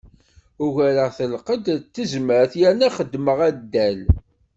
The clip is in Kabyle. Ugareɣ-t lqedd d tezmert yerna xeddmeɣ addal.